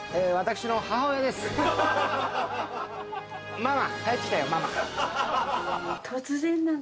ママ。